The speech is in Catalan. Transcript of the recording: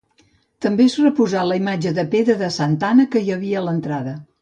També es reposà la imatge de pedra de Santa Anna que hi havia a l'entrada.